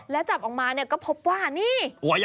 แล้วจับออกมาเนี่ยก็พบว่านี่